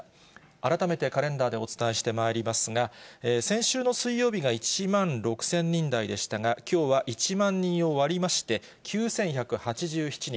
改めてカレンダーでお伝えしてまいりますが、先週の水曜日が１万６０００人台でしたが、きょうは１万人を割りまして、９１８７人。